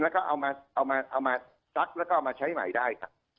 แล้วก็เอามาซักแล้วก็เอามาใช้ใหม่ได้ครับ